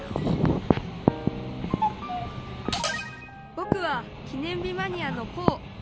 ぼくは記念日マニアのポー。